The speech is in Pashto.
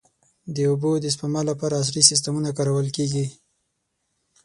د اوبو د سپما لپاره عصري سیستمونه کارول کېږي.